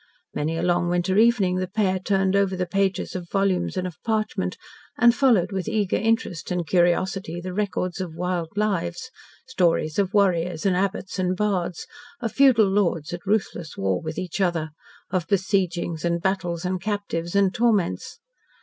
Many a long winter evening the pair turned over the pages of volumes and of parchment, and followed with eager interest and curiosity the records of wild lives stories of warriors and abbots and bards, of feudal lords at ruthless war with each other, of besiegings and battles and captives and torments.